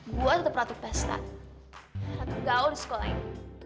gue tetep ratu pesta ratu gaul di sekolah ini